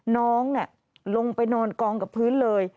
น้องลงไปนอนกองกับพื้นเลย